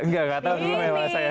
enggak gak tau dulu memang saya